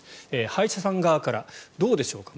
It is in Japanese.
歯医者さん側からどうでしょうか。